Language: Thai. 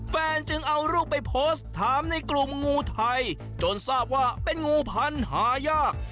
จึงเอารูปไปโพสต์ถามในกลุ่มงูไทยจนทราบว่าเป็นงูพันธุ์หายาก